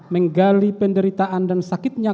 menggali penderitaan dan sakitnya